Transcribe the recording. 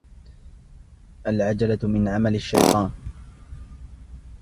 العجلة من عمل الشيطان.